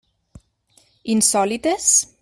Insòlites?